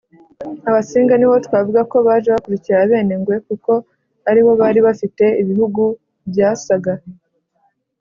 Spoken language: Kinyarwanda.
abasinga nibo twavuga ko baje bakurikira abenengwe, kuko aribo bari bafite ibihugu byasaga